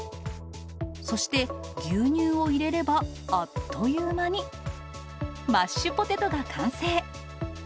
そして、牛乳を入れれば、あっという間に、マッシュポテトが完成。